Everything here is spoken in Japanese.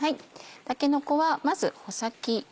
たけのこはまず穂先。